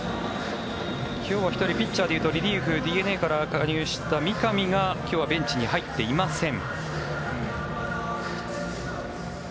今日は１人、ピッチャーでいうとリリーフ、ＤｅＮＡから加入した三上が今日はベンチに入っていません。